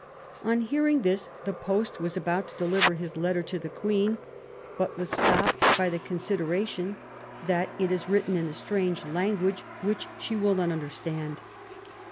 On hearing this the post was about to deliver his letter to the Queen, but was stopped by the consideration that it is written in a strange language which she will not understand.